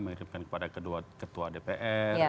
mengirimkan kepada ketua dpr